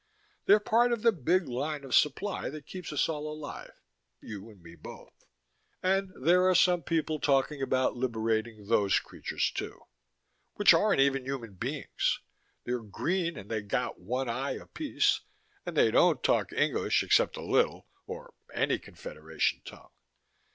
They're part of the big line of supply that keeps us all alive, you and me both. And there are some people talking about liberating those creatures, too, which aren't even human beings. They're green and they got one eye apiece, and they don't talk English except a little, or any Confederation tongue.